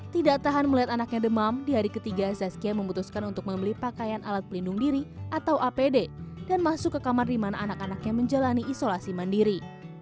tidak tahan melihat anaknya demam di hari ketiga zazkia memutuskan untuk membeli pakaian alat pelindung diri atau apd dan masuk ke kamar di mana anak anaknya menjalani isolasi mandiri